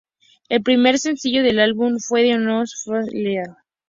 El primer sencillo del álbum fue "Diamonds from Sierra Leone".